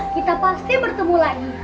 kita pasti bertemu lagi